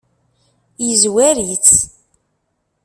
Yezwar-itt?